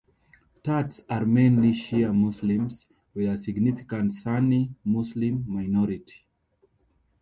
Tats are mainly Shia Muslims, with a significant Sunni Muslim minority.